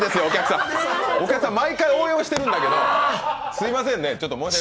お客さん、毎回応援してるんだけどすみませんね。